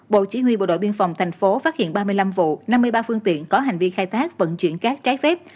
bộ chỉ huy bộ đội biên phòng tp hcm phát hiện ba mươi năm vụ năm mươi ba phương tiện có hành vi khai thác vận chuyển cát trái phép